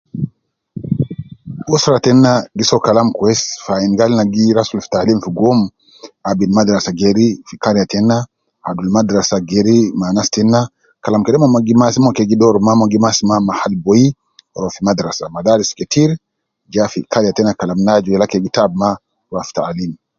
Usura tenna gi so kalam kwes fi ayinu gali ina gi rasul fi taalim fi guwom. Abin madrasa geri fi kariya tenna, geri ma anas tenna, kalam kede umon ma gi masi, gi dooru mahal al boyi, ruwa fi madrasa. Madaris ketir ja fi kariya tenna kalam ina aju yala kede gi taabu mafi, ruwa fi taalim.